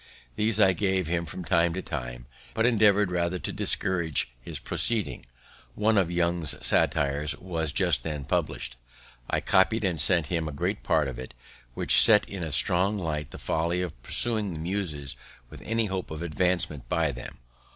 These I gave him from time to time, but endeavour'd rather to discourage his proceeding. One of Young's Satires was then just published. I copy'd and sent him a great part of it, which set in a strong light the folly of pursuing the Muses with any hope of advancement by them.